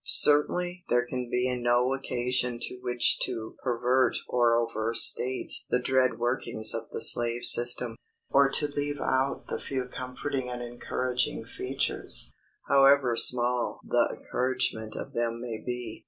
Certainly there can be no occasion to wish to pervert or overstate the dread workings of the slave system, or to leave out the few comforting and encouraging features, however small the encouragement of them may be.